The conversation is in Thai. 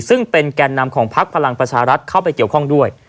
ซึ่งเป็นแก่นนำของพักพลังประชารัฐเข้าไปเกี่ยวข้องด้วย